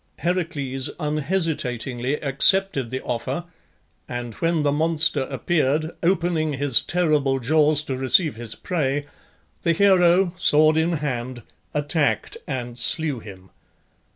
Heracles unhesitatingly accepted the offer, and when the monster appeared, opening his terrible jaws to receive his prey, the hero, sword in hand, attacked and slew him.